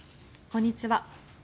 こんにちは。